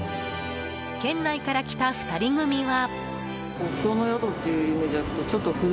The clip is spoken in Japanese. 県内から来た２人組は。